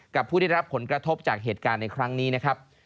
ผู้ได้รับผลกระทบจากเหตุการณ์ในครั้งนี้นะครับ